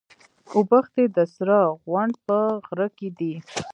اوبښتي د سره غونډ په غره کي دي.